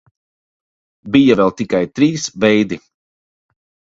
Bija vēl tikai trīs veidi.